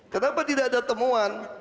kenapa tidak ada temuan